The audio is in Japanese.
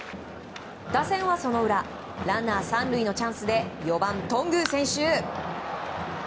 打線はその裏ランナー３塁のチャンスで４番、頓宮選手。